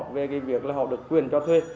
về việc họ được quyền cho thuê